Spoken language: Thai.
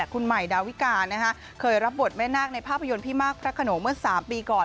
คุณใหม่ดาวิกาเคยรับบทแม่นาคในภาพยนตร์พี่มากพระขนงเมื่อ๓ปีก่อน